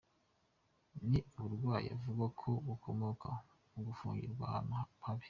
Ni uburwayi avuga ko bukomoka ku gufungirwa ahantu habi.